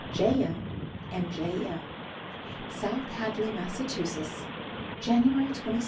J. M. and J. M. South Hadley, Massachusetts, January 27, 1909.